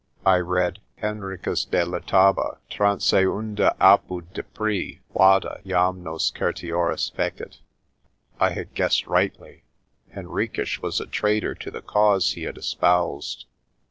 I read, "Henricus de Letaba transeunda apud Duprei vada jam nos certiores fecit." * I had guessed rightly. Henriques was a traitor to the cause he had espoused.